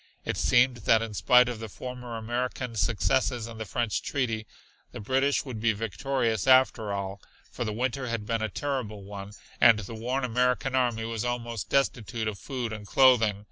It seemed that in spite of the former American successes and the French treaty, the British would be victorious after all, for the winter had been a terrible one, and the worn American army was almost destitute of food and clothing.